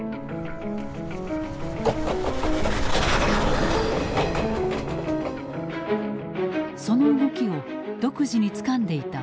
その動きを独自につかんでいた松本清張。